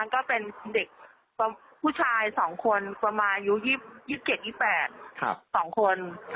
ก็เป็นเด็กผู้ชาย๒คนประมาณอายุ๒๗๒๘๒คน